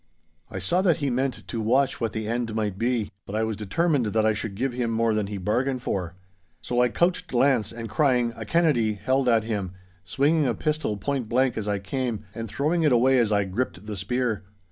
I saw that he meant to watch what the end might be, but I was determined that I should give him more than he bargained for. So I couched lance, and crying, 'A Kennedy!' held at him, swinging a pistol point blank as I came, and throwing it away as I gripped the spear.